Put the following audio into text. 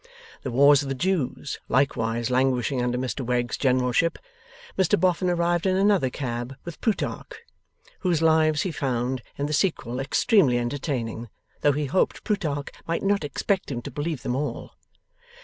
The Wars of the Jews, likewise languishing under Mr Wegg's generalship, Mr Boffin arrived in another cab with Plutarch: whose Lives he found in the sequel extremely entertaining, though he hoped Plutarch might not expect him to believe them all.